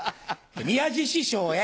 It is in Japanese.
「宮治師匠へ。